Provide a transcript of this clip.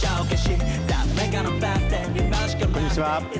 こんにちは。